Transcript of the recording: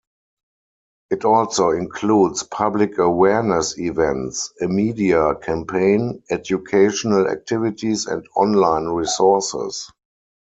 It also includes public awareness events, a media campaign, educational activities and online resources.